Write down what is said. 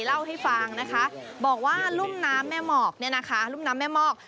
เล่าให้ฟังนะคะบอกว่าลุ่มน้ำแม่หมอก